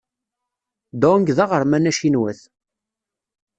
Dong d aɣerman acinwat.